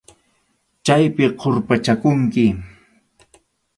Chaypi qurpachakunki.